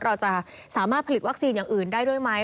เราจะสามารถผลิตวัคซีนอย่างอื่นได้ด้วยไหม